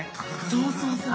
そうそうそう！